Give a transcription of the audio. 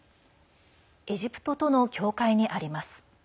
エジプトとの境界にあります。